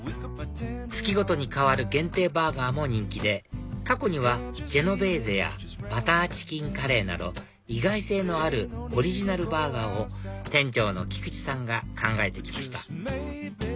月ごとに替わる限定バーガーも人気で過去にはジェノベーゼやバターチキンカレーなど意外性のあるオリジナルバーガーを店長の菊池さんが考えてきました